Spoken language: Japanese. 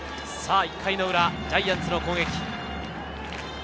１回の裏、ジャイアンツの攻撃。